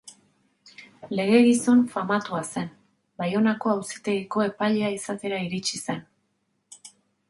Lege gizon famatua zen, Baionako Auzitegiko epailea izatera iritsi zen.